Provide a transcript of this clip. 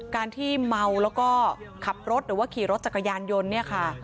การที่เมาแล้วก็ขับรถหรือว่าขี่รถจักรยานยนต์เนี่ยค่ะ